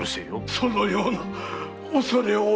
そのような恐れ多い！